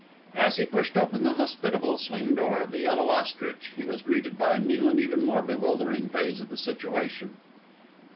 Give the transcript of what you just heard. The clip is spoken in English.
As he pushed open the hospitable swing door of The Yellow Ostrich, he was greeted by a new and even more bewildering phase of the situation.